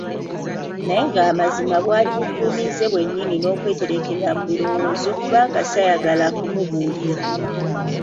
Naye ng'amazima bwali bukuumiize bwennyini n'okwetereekerera mu birowoozo kubanga ssaayagala kumubuulira.